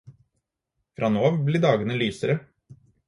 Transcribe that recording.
Fra nå av blir dagene lysere.